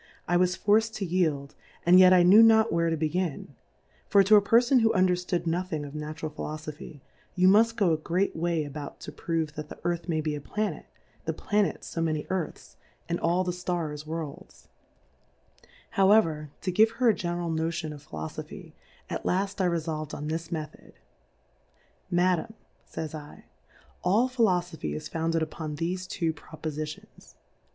I was forc'd to yield, and yet I knew not where to begin ;" for to a Perfon who underftood nothing of A^atural'T/jilofjph% you muft go a great way about to prove that tliQ Ea^th may be a Planet^ the TIauets fo many Earths^ and all the B 4 Stars S Difcourfes on the Stars Worlds ; however, to give her a general Notion of Philofofhy^ at laft I refoIvM on this Method. Madam,y^j'j' J, all Philofophy is founded upon thefe two Propofitions.